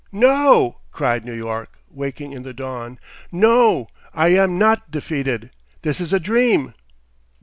"No!" cried New York, waking in the dawn. "No! I am not defeated. This is a dream."